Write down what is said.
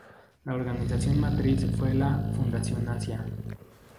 La organización matriz fue la "Fundación Asia".